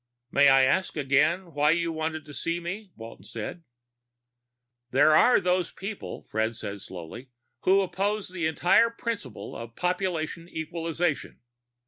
"May I ask again why you wanted to see me?" Walton said. "There are those people," Fred said slowly, "who oppose the entire principle of population equalization."